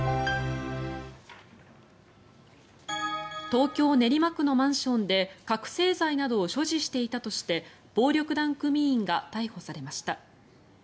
東京・練馬区のマンションで覚醒剤などを所持していたとして暴力団組員が逮捕されました。